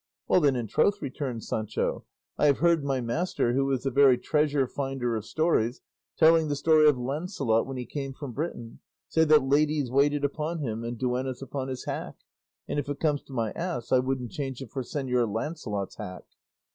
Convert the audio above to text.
"Well then, in troth," returned Sancho, "I have heard my master, who is the very treasure finder of stories, telling the story of Lancelot when he came from Britain, say that ladies waited upon him and duennas upon his hack; and, if it comes to my ass, I wouldn't change him for Señor Lancelot's hack."